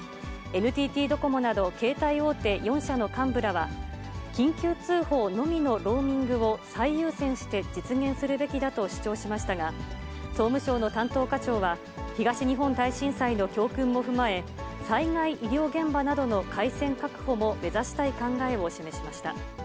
ＮＴＴドコモなど、携帯大手４社の幹部らは、緊急通報のみのローミングを最優先して実現するべきだと主張しましたが、総務省の担当課長は、東日本大震災の教訓も踏まえ、災害医療現場などの回線確保も目指したい考えを示しました。